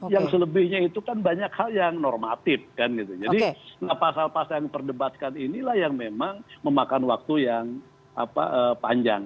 yang selebihnya itu kan banyak hal yang normatif kan gitu jadi pasal pasal yang perdebatkan inilah yang memang memakan waktu yang panjang